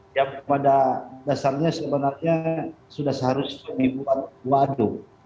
yang pada dasarnya sebenarnya sudah seharusnya dibuat waduk